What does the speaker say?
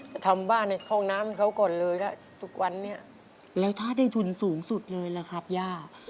จะทำบ้านในห้องน้ำให้เขาก่อนเลยแล้วทุกวันนี้แล้วถ้าได้ทุนสูงสุดเลยล่ะครับย่า